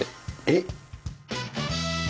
えっ？